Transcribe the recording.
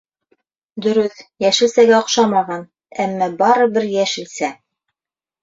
Дөрөҫ, йәшелсәгә оҡшамаған, әммә барыбер —йәшелсә!